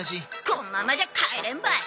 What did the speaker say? こんままじゃ帰れんばい。